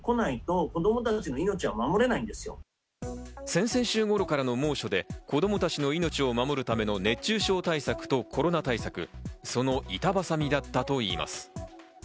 先々週頃からの猛暑で子供たちの命を守るための熱中症対策とコロナ対策、その板挟みだったといいます。